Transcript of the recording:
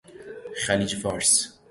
خلیج فارس